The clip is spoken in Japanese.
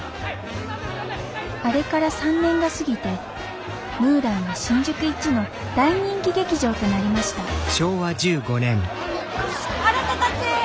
あれから３年が過ぎてムーランは新宿一の大人気劇場となりましたあなたたち！